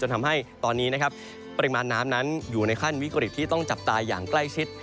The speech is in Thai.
ทำให้ตอนนี้นะครับปริมาณน้ำนั้นอยู่ในขั้นวิกฤตที่ต้องจับตาอย่างใกล้ชิด